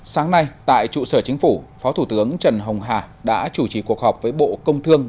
sáng nay tại trụ sở chính phủ phó thủ tướng trần hồng hà đã chủ trì cuộc họp với bộ công thương